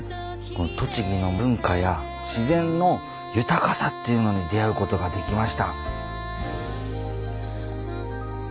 栃木の文化や自然の豊かさっていうのに出会うことができました。